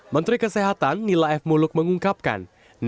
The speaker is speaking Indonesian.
menteri kesehatan nila f muluk mengungkapkan